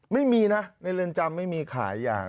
ไม่มีนะในเรือนจำไม่มีขายอย่าง